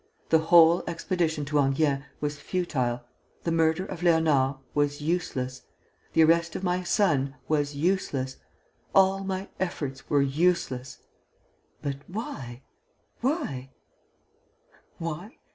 The whole expedition to Enghien was futile! The murder of Léonard was useless! The arrest of my son was useless! All my efforts were useless!" "But why? Why?" "Why?